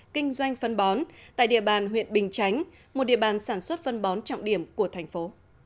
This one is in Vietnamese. kinh doanh phân bón tại địa bàn huyện bình chánh một địa bàn sản xuất phân bón trọng điểm của thành phố